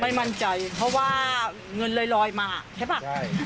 ไม่มั่นใจเพราะว่าเงินลอยมาใช่ป่ะ